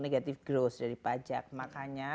negatif growth dari pajak makanya